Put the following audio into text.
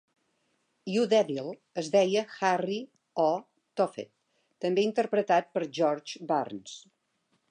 'You Devil' es deia Harry O. Tophet, també interpretat per George Burns.